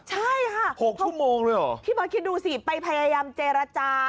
ใช่ค่ะเพราะว่าคิดดูสิไปพยายามเจรจา